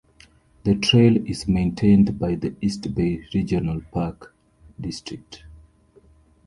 The trail is maintained by the East Bay Regional Park District.